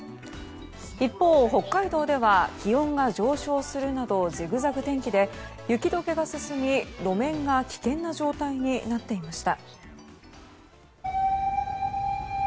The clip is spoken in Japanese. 一方、北海道では気温が上昇するなどジグザグ天気で雪解けが進み路面が危険な状態になっていました。